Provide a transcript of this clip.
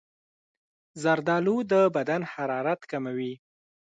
زردالو د بدن حرارت کموي.